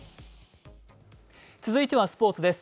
続いてはスポーツです。